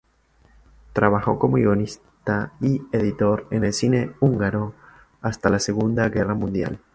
Trabajó como guionista y editor en el cine húngaro hasta la Segunda Guerra Mundial.